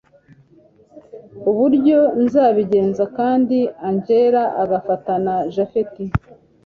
uburyo nzabigenza kandi angella agafatana japhet